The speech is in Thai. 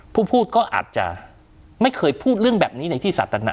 พูดก็อาจจะไม่เคยพูดเรื่องแบบนี้ในที่สาธารณะ